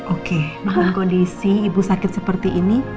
oke dengan kondisi ibu sakit seperti ini